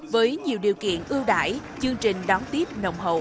với nhiều điều kiện ưu đại chương trình đón tiếp nồng hậu